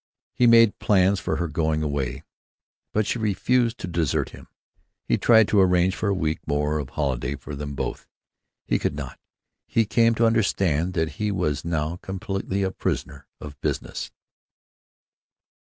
He made plans for her going away, but she refused to desert him. He tried to arrange for a week more of holiday for them both; he could not; he came to understand that he was now completely a prisoner of business.